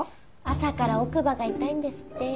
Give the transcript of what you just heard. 朝から奥歯が痛いんですって。